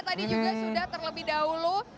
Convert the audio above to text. tadi juga sudah terlebih dahulu